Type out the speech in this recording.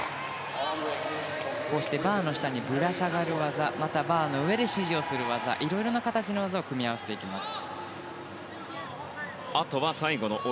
こうしたバーの下にぶら下がる技また、バーの上で支持をする技いろいろな形の技を組み合わせていきます。